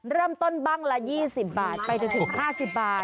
เริ่มต้นบ้างละ๒๐บาทไปจนถึง๕๐บาท